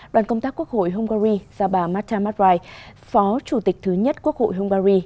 đoàn công tác quốc hội hungary do bà marta matrai phó chủ tịch thứ nhất quốc hội hungary